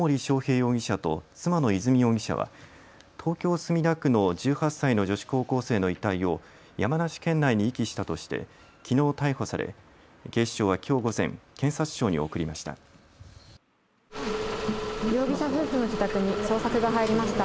容疑者と妻の和美容疑者は東京墨田区の１８歳の女子高校生の遺体を山梨県内に遺棄したとしてきのう逮捕され警視庁はきょう午前、検察庁に送りました。